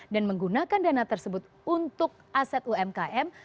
dan menggunakan dana tersebut untuk aset umkm